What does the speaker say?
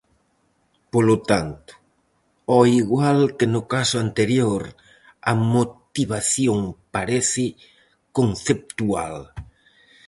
Polo tanto, ó igual que no caso anterior, a motivación parece conceptual.